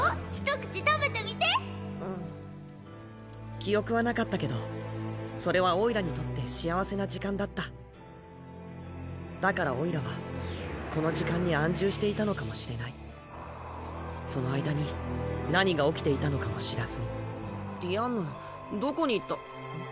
記憶はなかったけどそれはおいらにとって幸せな時間だっただからおいらはこの時間に安住していたのかもしれないその間に何が起きていたのかも知らずにディアンヌどこに行ったん？